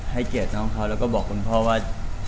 ให้เกลียดน้องเขาแล้วก็บอกคุณพ่อว่า